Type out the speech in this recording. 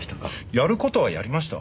やる事はやりました。